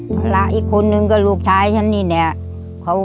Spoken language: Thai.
พลักษณ์อีกคนหนึ่งก็ลูกชายฉันนี่เนี่ย